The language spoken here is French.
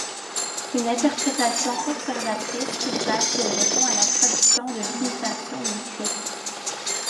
Une interprétation conservatrice suggère qu'il répond à la tradition de l'Imitation du Christ.